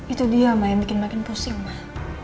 itu dia mah yang bikin makin pusing mah